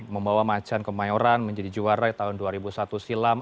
membawa macan kemayoran menjadi juara tahun dua ribu satu silam